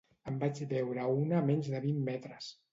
En vaig veure una a menys de vint metres.